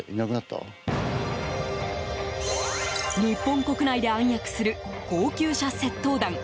日本国内で暗躍する高級車窃盗団。